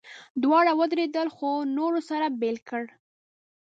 دواړه ودرېدل، خو نورو سره بېل کړل.